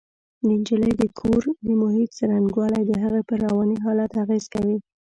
د نجلۍ د کور د محیط څرنګوالی د هغې پر رواني حالت اغېز کوي